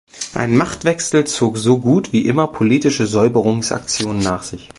Ein Machtwechsel zog so gut wie immer politische Säuberungsaktionen nach sich.